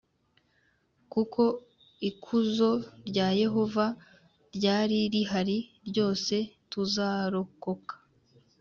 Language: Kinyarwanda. kuko ikuzo rya Yehova ryari rihari ryose tuzarokoka